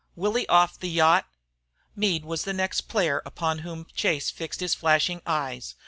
"Willie off the yacht!" Meade was the next player upon whom Chase fixed his flashing eyes.